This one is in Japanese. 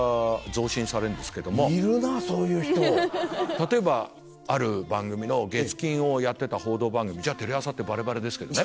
例えばある番組の月金をやってた報道番組じゃあテレ朝ってバレバレですけどね。